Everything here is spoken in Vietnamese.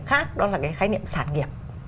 khác đó là cái khái niệm sản nghiệp